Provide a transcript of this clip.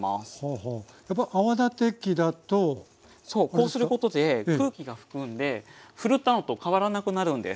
こうすることで空気が含んでふるったのと変わらなくなるんです。